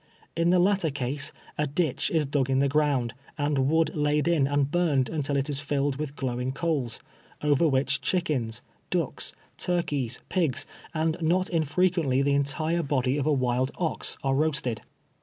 In the latter case, a ditch is dug in the ground, and wood laid in and burned until it is tilled with glowing coals, over which chickens, ducks, turkeys, pigs, and not unfrequently the entire body of a wild ox, are roasted.